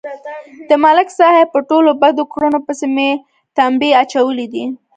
د ملک صاحب په ټولو بدو کړنو پسې مې تمبې اچولې دي